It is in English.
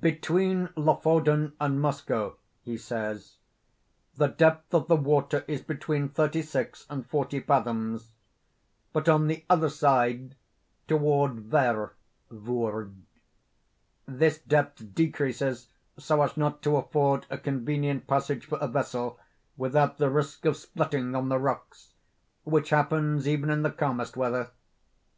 "Between Lofoden and Moskoe," he says, "the depth of the water is between thirty six and forty fathoms; but on the other side, toward Ver (Vurrgh) this depth decreases so as not to afford a convenient passage for a vessel, without the risk of splitting on the rocks, which happens even in the calmest weather.